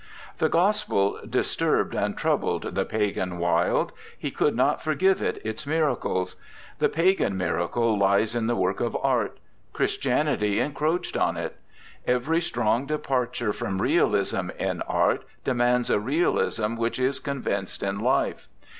The Gospel disturbed and troubled the pagan Wilde. He could not forgive it its miracles. The pagan miracle lies in the work of Art; Christianity encroached on it. Every strong departure from realism in art demands a realism which is convinced in life.